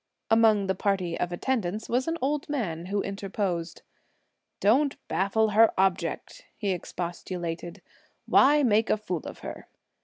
Among the party of attendants was an old man, who interposed, "Don't baffle her object," he expostulated; "why make a fool of her?"